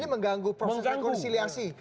ini mengganggu proses rekonseliasi